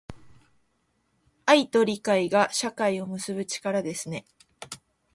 愛と理解が、社会を結ぶ力ですね。